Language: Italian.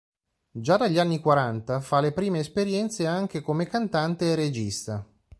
Già dagli anni quaranta fa le prime esperienze anche come cantante e regista.